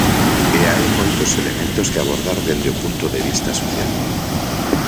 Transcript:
E hai moitos elementos que abordar dende o punto de vista social.